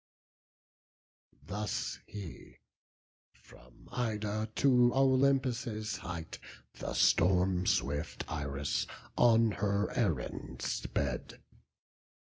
Thus he: from Ida to Olympus' height The storm swift Iris on her errand sped.